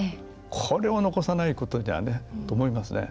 これを残さないことにはねと思いますね。